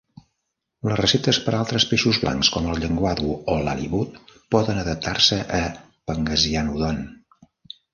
Les receptes per a altres peixos blancs com el llenguado o l'halibut poden adaptar-se a "pangasianodon".